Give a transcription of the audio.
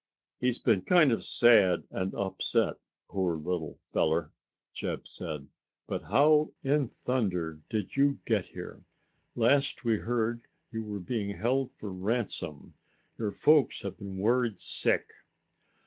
"He's been kind of sad and upset, poor little feller," Jeb said. "But how in thunder did you get here? Last we heard you were being held for ransom. Your folks have been worried sick."